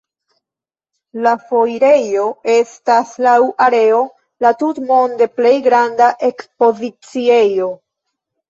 La foirejo estas laŭ areo la tutmonde plej granda ekspoziciejo.